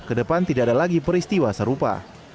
ke depan tidak ada lagi peristiwa serupa